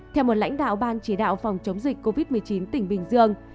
theo một lãnh đạo ban chỉ đạo phòng chống dịch covid một mươi chín tỉnh bình dương